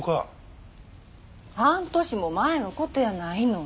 半年も前の事やないの。